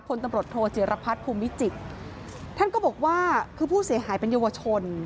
พลตำรวจโทจิรพัฒน์ภูมิวิจิตรท่านก็บอกว่าคือผู้เสียหายเป็นเยาวชน